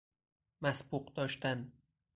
مسبوق داشتن